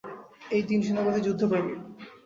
এই তিন সেনাপতি যুদ্ধ প্রেমিক।